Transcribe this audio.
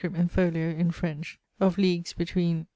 in folio (in French) of legues between